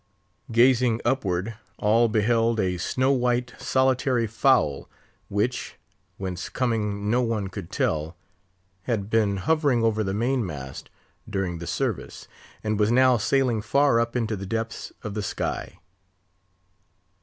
Gazing upward, all beheld a snow white, solitary fowl, which—whence coming no one could tell—had been hovering over the main mast during the service, and was now sailing far up into the depths of the sky.